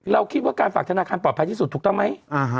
เราคิดว่าการฝากธนาคารปลอดภัยที่สุดถูกต้องไหม